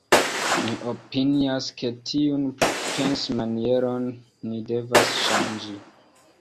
Mi opinias, ke tiun pensmanieron ni devas ŝanĝi.